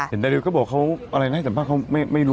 เห็นไดริวก็บอกว่าเขาอะไรน่าจะบ้างเขาไม่รู้